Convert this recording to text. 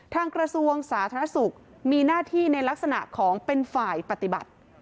กระทรวงสาธารณสุขมีหน้าที่ในลักษณะของเป็นฝ่ายปฏิบัติ